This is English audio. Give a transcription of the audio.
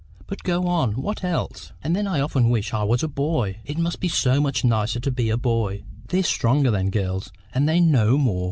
"But go on; what else?" "And then I often wish I was a boy. It must be so much nicer to be a boy. They're stronger than girls, and they know more.